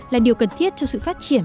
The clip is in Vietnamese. là điều cần thiết cho sự phát triển